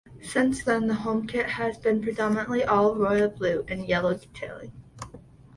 Since then the home kit has been predominantly all royal blue with yellow detailing.